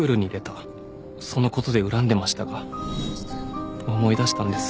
そのことで恨んでましたが思い出したんです。